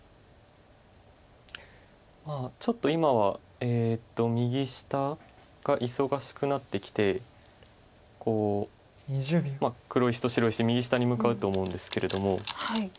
ちょっと今は右下が忙しくなってきてこう黒石と白石右下に向かうと思うんですけれども。